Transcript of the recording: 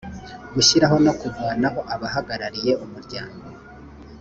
gushyiraho no kuvanaho abahagarariye umuryango